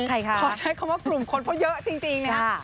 ขอใช้คำว่ากลุ่มคนเพราะเยอะจริงนะครับ